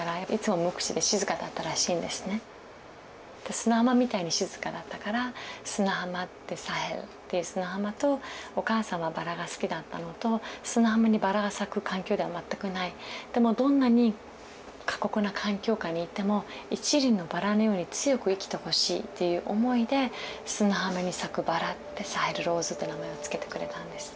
砂浜みたいに静かだったから砂浜って「サヘル」っていう砂浜とお母さんは薔薇が好きだったのと砂浜に薔薇が咲く環境では全くないでもどんなに過酷な環境下にいても一輪の薔薇のように強く生きてほしいっていう思いで「砂浜に咲く薔薇」で「サヘル・ローズ」って名前を付けてくれたんです。